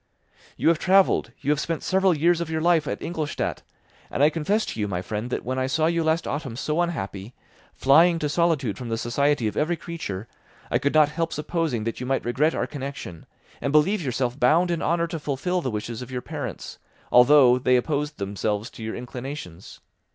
"You have travelled; you have spent several years of your life at Ingolstadt; and I confess to you, my friend, that when I saw you last autumn so unhappy, flying to solitude from the society of every creature, I could not help supposing that you might regret our connection and believe yourself bound in honour to fulfil the wishes of your parents, although they opposed themselves to your inclinations.